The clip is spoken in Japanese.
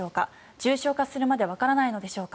重症化するまでわからないのでしょうか。